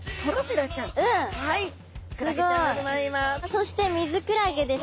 そしてミズクラゲですね。